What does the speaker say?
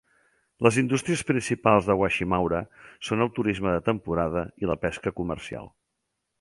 Les indústries principals d'Awashimaura són el turisme de temporada i la pesca comercial.